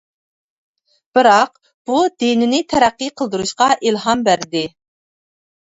بىراق، بۇ دىنىنى تەرەققىي قىلدۇرۇشقا ئىلھام بەردى.